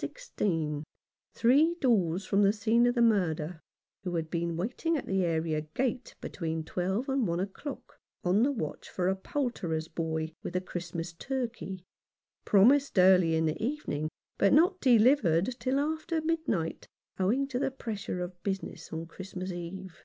16, three doors from the scene of the murder, who had been wait ing at the area gate between twelve and one o'clock, on the watch for a poulterer's boy with the Christmas turkey, promised early in the evening, but not delivered till after midnight, owing to the pressure of business on Christmas Eve.